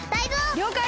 りょうかい！